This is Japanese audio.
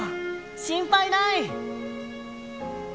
心配ない。